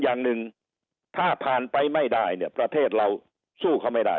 อย่างหนึ่งถ้าผ่านไปไม่ได้เนี่ยประเทศเราสู้เขาไม่ได้